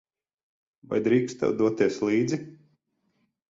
Vai drīkstu tev doties līdzi?